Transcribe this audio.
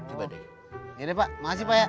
iya deh pak makasih pak ya